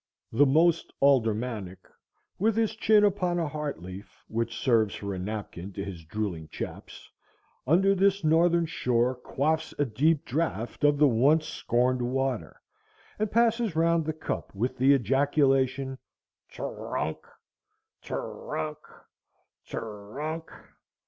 The most aldermanic, with his chin upon a heart leaf, which serves for a napkin to his drooling chaps, under this northern shore quaffs a deep draught of the once scorned water, and passes round the cup with the ejaculation _tr r r oonk, tr r r oonk, tr r r oonk!